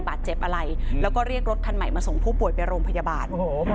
บาดเจ็บอะไรแล้วก็เรียกรถคันใหม่มาส่งผู้ป่วยไปโรงพยาบาลโอ้โห